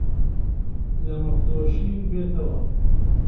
لە مەڕ دۆشین بێتەوە